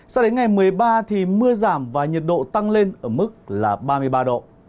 sao đến ngày một mươi ba thì mưa giảm và nhiệt độ tăng lên ở mức ba mươi ba độ